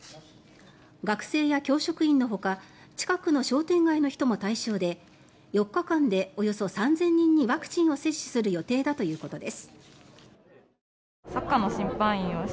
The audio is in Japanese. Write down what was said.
学生や教職員のほか近くの商店街の人も対象で４日間でおよそ３０００人にワクチンを接種する予定だということです。